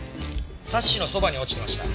サッシのそばに落ちてました。